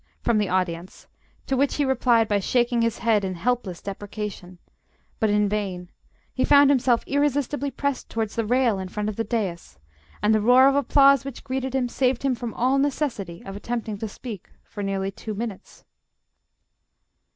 from the audience, to which he replied by shaking his head in helpless deprecation but in vain; he found himself irresistibly pressed towards the rail in front of the dais, and the roar of applause which greeted him saved him from all necessity of attempting to speak for nearly two minutes.